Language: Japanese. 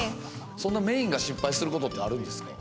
そんなメインで失敗することってあるんですか？